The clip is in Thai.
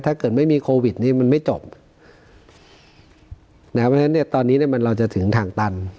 ถ้าเกิดไม่มีโควิดนี่มันไม่จบนะครับเพราะฉะนั้นเนี่ยตอนนี้เนี่ยมันเราจะถึงทางตัน